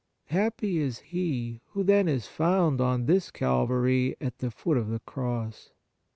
Happy is he who then is found on this Calvary at the foot of the Cross